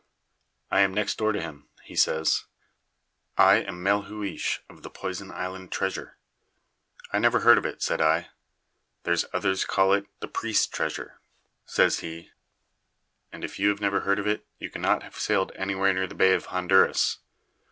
"I am next door to him," he says. "I am Melhuish, of the Poison Island Treasure." "I never heard of it," said I. "There's others call it the Priests' Treasure," says he; "and if you have never heard of it, you cannot have sailed anywhere near the Bay of Honduras."